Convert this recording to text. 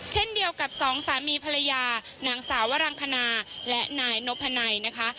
เช่นเดียวกับสองสามีภรรยานางสาววรังคณาและนายนพนัยนะคะ